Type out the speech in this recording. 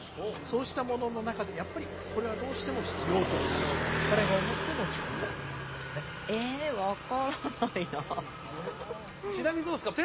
そうしたものの中でやっぱりこれはどうしても必要と彼が思って持ち込んだものですねえ分からないなちなみにどうですか？